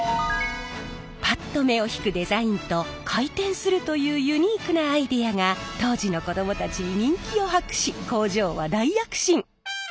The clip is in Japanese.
パッと目を引くデザインと回転するというユニークなアイデアが当時の子どもたちに人気を博し工場は大躍進！